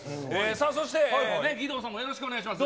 そして義堂さんもよろしくお願いします。